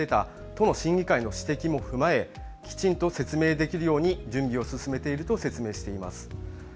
都の審議会の指摘を踏まえきちんと説明できるように準備を進めていると説明しています。